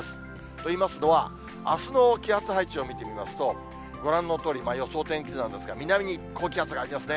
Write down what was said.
といいますのは、あすの気圧配置を見てみますと、ご覧のとおり、予想天気図なんですが、南に高気圧がありますね。